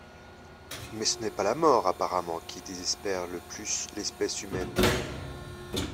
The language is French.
Mais ce n'est pas la mort apparemment qui désespère le plus l'espèce humaine.